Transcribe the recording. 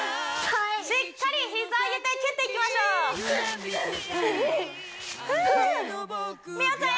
しっかり膝上げて蹴っていきましょうふう美桜ちゃん